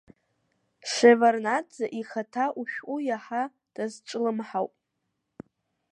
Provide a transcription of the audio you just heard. Шеварднаӡе ихаҭа ушәҟәы иаҳа дазҿлымҳауп.